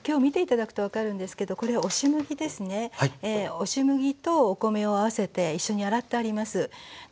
押し麦とお米を合わせて一緒に洗ってあります。